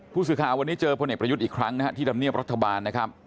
ผู้สื่อข่าววันนี้เจอพประยุทธ์อีกครั้งที่ร่ำเนียบรัฐบาล